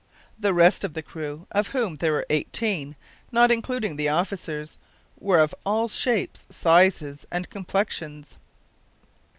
The rest of the crew, of whom there were eighteen, not including the officers, were of all shapes, sizes, and complexions.